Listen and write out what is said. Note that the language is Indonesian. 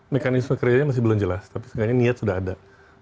mekanisme kerjanya masih belum jelas tapi sebenarnya niat sudah ada